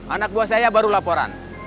anak buah saya baru laporan